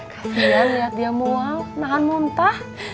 kasian lihat dia mau nahan muntah